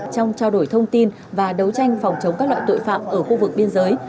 trong trao đổi thông tin và đấu tranh phòng chống các loại tội phạm ở khu vực biên giới